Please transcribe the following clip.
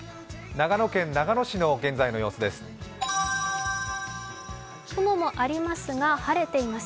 長野県長野市の現在の様子です。